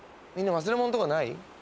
みんな忘れもんとかない？